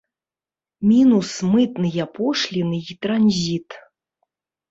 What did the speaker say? Мінус мытныя пошліны і транзіт.